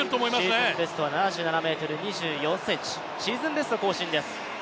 シーズンベストは７７ｍ４４ｃｍシーズンベスト更新です。